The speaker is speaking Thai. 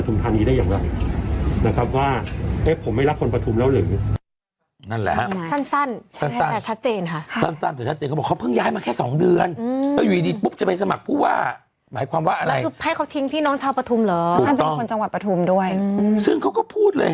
มีรับคนปทุมแล้วเหรอ